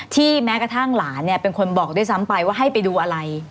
แม้กระทั่งหลานเนี่ยเป็นคนบอกด้วยซ้ำไปว่าให้ไปดูอะไร